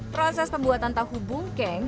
proses pembuatan tahu bungkeng